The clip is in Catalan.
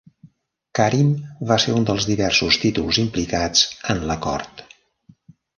"Karin" va ser un dels diversos títols implicats en l'acord.